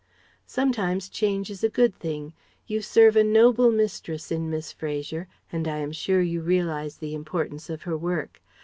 Sometimes change is a good thing. You serve a noble mistress in Miss Fraser and I am sure you realize the importance of her work.